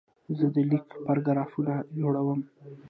زه د لیک پاراګرافونه جوړوم.